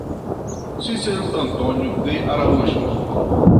Cicero Antônio de Araújo